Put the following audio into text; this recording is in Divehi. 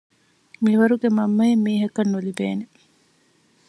މިވަރުގެ މަންމައެއް މީހަކަށް ނުލިބޭނެ